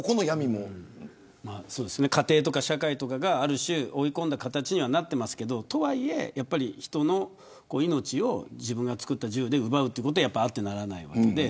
家庭とか社会とかが、ある種追い込んだ形になっていますがとはいえ、人の命を自分が作った銃で奪うというのはあってはならないことで。